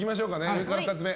上から２つ目。